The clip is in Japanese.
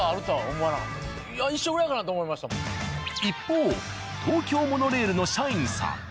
一方東京モノレールの社員さん。